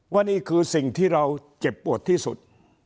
ว่านี่คือสิ่งที่เราเจ็บปวดที่สุด